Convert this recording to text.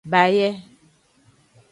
Baye.